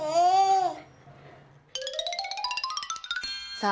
さあ